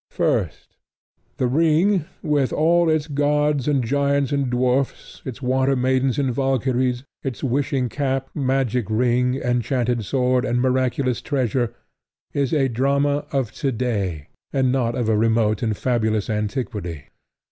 First, The Ring, with all its gods and giants and dwarfs, its water maidens and Valkyries, its wishing cap, magic ring, enchanted sword, and miraculous treasure, is a drama of today, and not of a remote and fabulous antiquity.